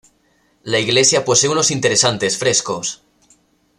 La iglesia posee unos interesantes frescos.